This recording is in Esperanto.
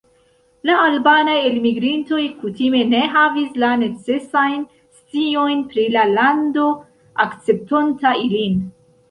La albanaj elmigrintoj kutime ne havis la necesajn sciojn pri la lando akceptonta ilin.